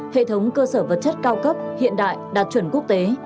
hệ thống cơ sở vật chất cao cấp hiện đại đạt chuẩn quốc tế